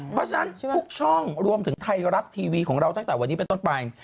เพราะฉะนั้นทุกช่องรวมถึงไทยรัฐทีวีของเราตั้งแต่วันนี้เป็นต้นไป